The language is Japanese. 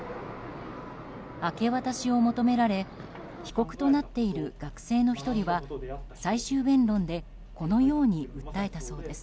明け渡しを求められ被告となっている学生の１人は最終弁論でこのように訴えたそうです。